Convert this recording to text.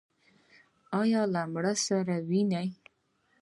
ایا له میړه سره وینئ؟